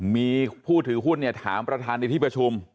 มีผู้ถือหุ้นเนี่ยถามประธานในที่ประชุม